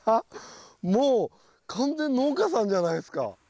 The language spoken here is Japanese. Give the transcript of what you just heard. もう完全農家さんじゃないですか。